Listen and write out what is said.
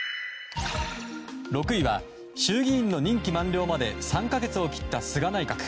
６位は衆議院の任期満了まで３か月を切った菅内閣。